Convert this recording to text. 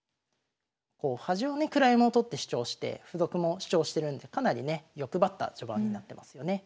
端をね位も取って主張して歩得も主張してるんでかなりね欲張った序盤になってますよね。